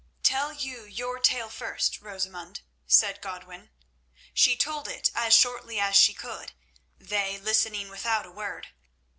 "Tell you your tale first, Rosamund," said Godwin. She told it as shortly as she could, they listening without a word.